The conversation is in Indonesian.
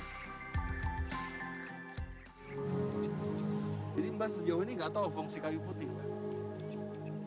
jadi mbah sejauh ini gak tahu fungsi kayu putih mbah